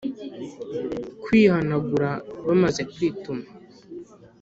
Kwihanagura bamaze kwituma